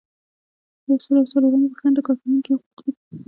یو سل او څلورمه پوښتنه د کارکوونکي حقوق دي.